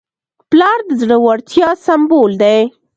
پلار د زړورتیا سمبول دی.